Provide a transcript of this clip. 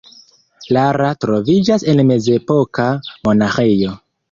Lara troviĝas en mezepoka monaĥejo.